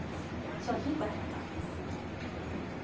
商品はご覧のとおりです。